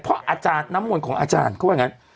เพราะอาจารย์น้ำมนต์ของอาจารย์เขาว่างั้น